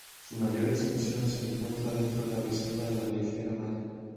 Su mayor extensión se encuentra dentro de la reserva de la biosfera maya.